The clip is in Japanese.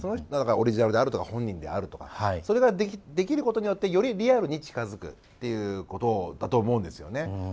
オリジナルであるとか本人であるとかそれができることによってよりリアルに近づくということだと思うんですね。